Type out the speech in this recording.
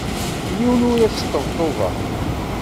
Yiwen ur as-sṭebṭubeɣ.